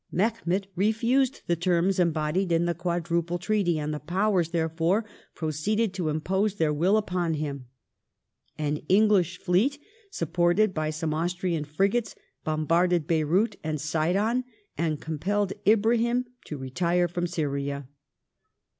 Mehemet refused the terms embodied in the Quadruple Treaty, and the Powers, therefore, proceeded to impose their will upon him. An English fleet, supported by some Austrian frigates, bombarded Beyrout and Sidon, and compelled Ibrahim to retire from Syria.